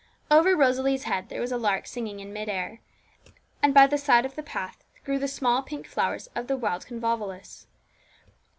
Over Rosalie's head there was a lark singing in mid air, and by the side of the path grew the small pink flowers of the wild convolvulus.